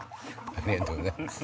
ありがとうございます。